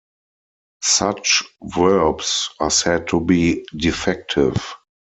Such verbs are said to be "defective".